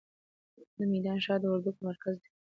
د میدان ښار د وردګو مرکز دی